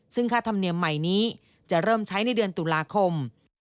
ซึ่งค่าธรรมเนียมใหม่นี้จะเริ่มใช้ในเดือนตุลาคม